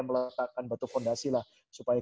meletakkan batu fondasi lah supaya